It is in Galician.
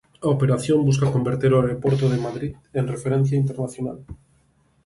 A operación busca converter o aeroporto de Madrid en referencia internacional.